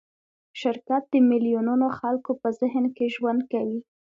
شرکت د میلیونونو خلکو په ذهن کې ژوند کوي.